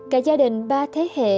cả gia đình ba thế hệ